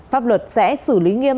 pháp luật sẽ xử lý nghiêm